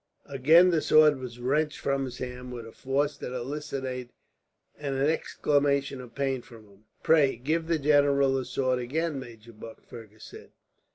Again the sword was wrenched from his hand, with a force that elicited an exclamation of pain from him. "Pray, give the general his sword again, Major Buck," Fergus said.